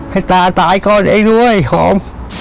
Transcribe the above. ให้ตาตายก่อนไอ้ด้วยหอม